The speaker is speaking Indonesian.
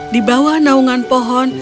di bawah naungan pohon